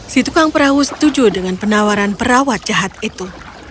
si tukang perahu setuju dengan penawaran perawat jahat itu